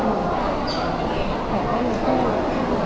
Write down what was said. แล้วก็เรื่องพิเศษของทุกคน